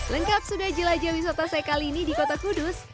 lengkap sudah jelajah wisata saya kali ini di kota kudus